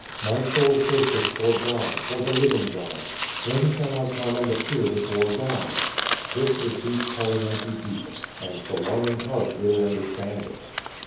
My soul thirsteth for God, for the living God: when shall I come and appear before God?" This is deep calling unto deep, and the longing heart will understand it.